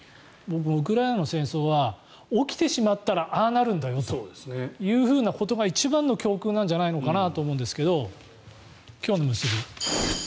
ウクライナの戦争は起きてしまったらああなるんだよということが一番の教訓なんじゃないかと思うんですが今日のむすび。